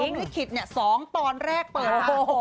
พรมลิขิตสองตอนแรกเปิด